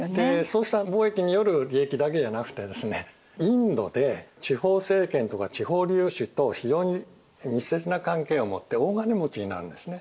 そうした貿易による利益だけじゃなくてですねインドで地方政権とか地方領主と非常に密接な関係を持って大金持ちになるんですね。